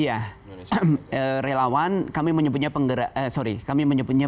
iya relawan kami menyebutnya pengajar muda